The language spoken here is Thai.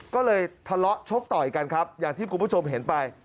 ก็เลยทะเลาะชกต่อยกันครับอย่างที่คุณผู้ชมเห็นไป